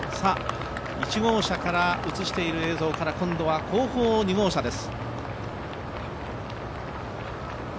１号車から映している映像から、今度は後方、２号車です。